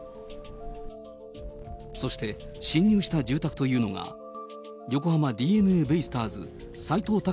そして、侵入した住宅というのが、横浜ＤｅＮＡベイスターズ、斎藤隆